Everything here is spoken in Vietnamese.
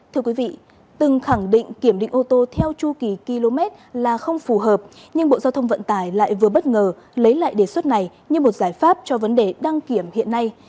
thưa quý vị từng khẳng định kiểm định ô tô theo chu kỳ km là không phù hợp nhưng bộ giao thông vận tải lại vừa bất ngờ lấy lại đề xuất này như một giải pháp cho vấn đề đăng kiểm hiện nay